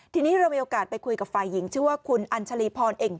ทีนี้เรามีโอกาสไปคุยกับฝ่ายหญิงชื่อว่าคุณอัญชาลีพรเอง